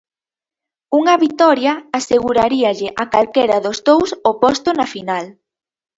Unha vitoria aseguraríalle a calquera dos dous o posto na final.